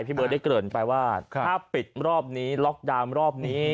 เบิร์ดได้เกริ่นไปว่าถ้าปิดรอบนี้ล็อกดาวน์รอบนี้